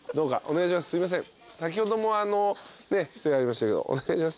先ほどもあのねっ失礼ありましたけどお願いします。